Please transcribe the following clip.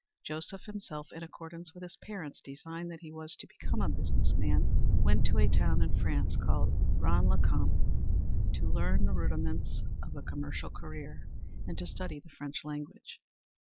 Joseph himself, in accordance with his parents' design that he was to become a business man, went to a town in France called Braine le Comte to learn the rudiments of a commercial career and to study the French language.